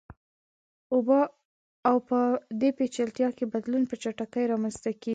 او په دې پېچلتیا کې بدلون په چټکۍ رامنځته کیږي.